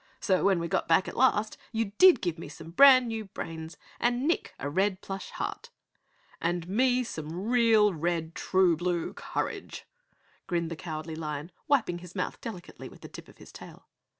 So when we got back at last, you did give me some brand new brains, and Nick a red plush heart " "And me some real red, true blue courage," grinned the Cowardly Lion, wiping his mouth delicately with the tip of his tail.